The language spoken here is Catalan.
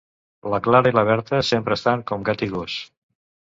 La Clara i la Berta sempre estan com gat i gos